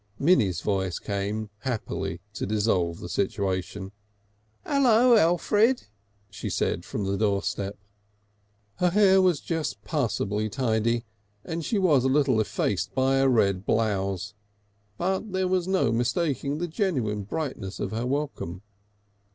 Minnie's voice came happily to dissolve the situation. "'Ello, Elfrid!" she said from the doorstep. Her hair was just passably tidy, and she was a little effaced by a red blouse, but there was no mistaking the genuine brightness of her welcome.